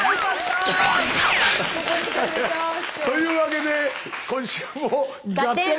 というわけで今週も「ガッテン！」